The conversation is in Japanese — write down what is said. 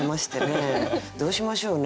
どうしましょうね。